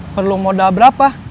perlu modal berapa